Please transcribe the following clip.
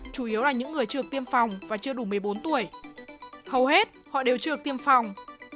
chủ yếu là những người chưa tiêm phòng và chưa đủ một mươi bốn tuổi hầu hết họ đều chưa được tiêm phòng